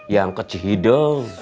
yang ke cihidung